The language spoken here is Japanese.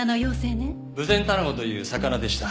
ブゼンタナゴという魚でした。